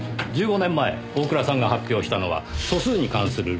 １５年前大倉さんが発表したのは素数に関する理論です。